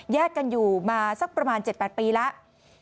กันอยู่มาสักประมาณ๗๘ปีแล้ว